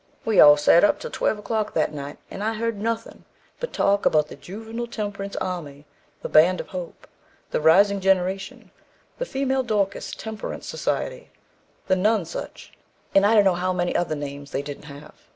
We all sat up till twelve o'clock that night, and I heard nothing but talk about the 'Juvinal Temperence Army,' the 'Band of Hope,' the 'Rising Generation,' the 'Female Dorcas Temperance Society,' 'The None Such,' and I don't know how many other names they didn't have.